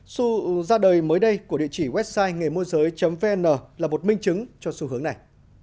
su ra đời mới đây của địa chỉ website nghềmua vn là một minh chứng cho xu hướng này